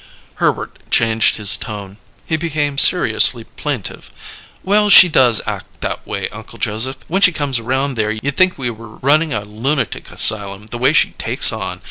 Herbert changed his tone; he became seriously plaintive. "Well, she does act that way, Uncle Joseph! When she comes around there you'd think we were runnin' a lunatic asylum, the way she takes on.